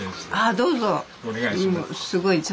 あどうぞ。